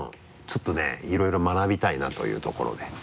ちょっとねいろいろ学びたいなというところで。